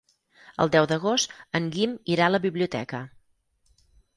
El deu d'agost en Guim irà a la biblioteca.